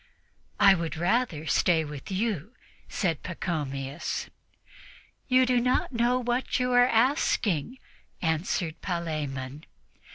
"I would rather stay with you," said Pachomius. "You do not know what you are asking," answered Palemon.